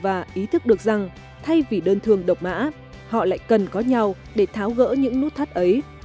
và ý thức được rằng thay vì đơn thường độc mã họ lại cần có nhau để tháo gỡ những nút thắt ấy